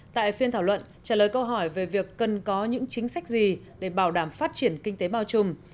tại phiên thảo luận trả lời câu hỏi về việc cần có những chính sách gì để bảo đảm phát triển kinh tế bao trùm